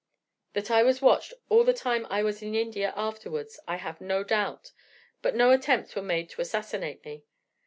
That I was watched all the time I was in India afterwards I have no doubt, but no attempts were made to assassinate me.